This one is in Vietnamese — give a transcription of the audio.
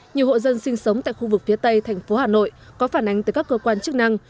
nhiều hộ dân sinh sống tại khu vực phía tây thành phố hà nội có phản ánh từ các cơ quan chức năng